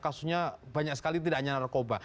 kasusnya banyak sekali tidak hanya narkoba